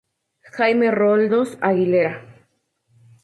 Jaime Roldós Aguilera.